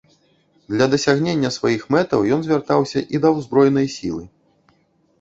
Для дасягнення сваіх мэтаў ён звяртаўся і да ўзброенай сілы.